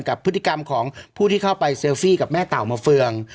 กับพฤติกรรมของผู้ที่เข้าไปเซลฟี่กับแม่เต่ามาเฟือง